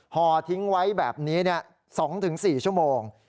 ห่อทิ้งไว้แบบนี้๒๔ชั่วโมง